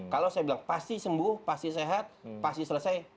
kalau saya bilang pasti sembuh pasti sehat pasti selesai